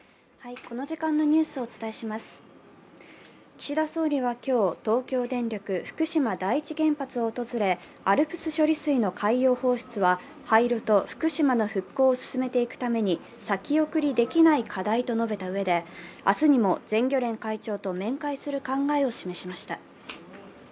岸田総理は今日東京電力・福島第一原発を訪れ、ＡＬＰＳ処理水の海洋放出は廃炉と福島の復興を進めていくために先送りできない課題と述べたうえで明日にも全漁連会長と面会する考えを示しました。